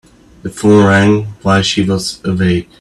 The phone rang while she was awake.